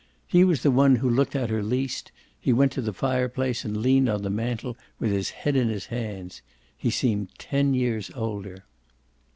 He was the one who looked at her least; he went to the fireplace and leaned on the mantel with his head in his hands. He seemed ten years older.